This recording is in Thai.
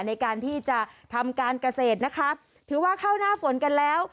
ในการที่จะทำการเกษตรนะคะถือว่าเข้าหน้าฝนกันแล้ว